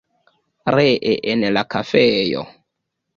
Ree en la kafejo.